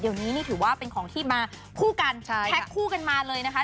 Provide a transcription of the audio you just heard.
เดี๋ยวนี้นี่ถือว่าเป็นของที่มาคู่กันแพ็คคู่กันมาเลยนะคะ